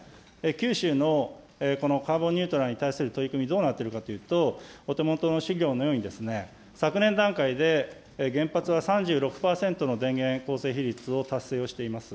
九州のこのカーボンニュートラルに対する取り組み、どうなっているかというと、お手元の資料のように、昨年段階で原発は３６％の電源構成比率を達成をしています。